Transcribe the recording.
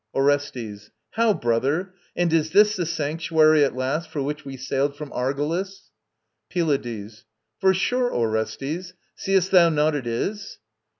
ORESTES. How, brother? And is this the sanctuary At last, for which we sailed from Argolis? PYLADES. For sure, Orestes. Seest thou not it is?